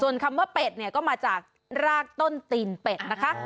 ส่วนคำว่าเป็ดเนี่ยก็มาจากรากต้นตีนเป็ดนะคะ